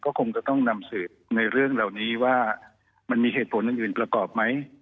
คงจะต้องนำสืบในเรื่องเหล่านี้ว่ามันมีเหตุผลอื่นประกอบไหม